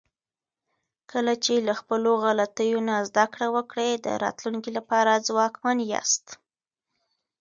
کله چې له خپلو غلطیو نه زده کړه وکړئ، د راتلونکي لپاره ځواکمن یاست.